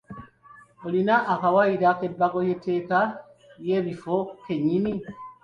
Olina akawayiro k'ebbago ly'entegeka y'ebifo ke nnyini?